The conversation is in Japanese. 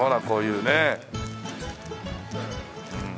うん。